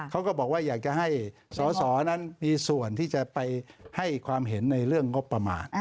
เขาก็บอกว่าอยากจะให้สอสอนั้นมีส่วนที่จะไปให้ความเห็นในเรื่องงบประมาณ